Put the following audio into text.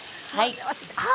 あ！